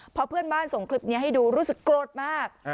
พอเพื่อนบ้านส่งคลิปนี้ให้ดูรู้สึกโกรธมาก